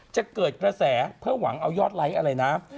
จะเกิดกระแสเพื่อหวังเอายอดไลค์อะไรนะ